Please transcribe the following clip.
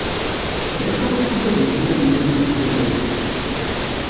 D acu i tugademt ma tennamt-d tidet?